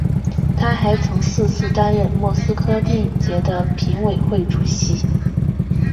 他还曾四次担任莫斯科电影节的评委会主席。